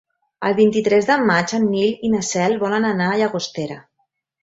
El vint-i-tres de maig en Nil i na Cel volen anar a Llagostera.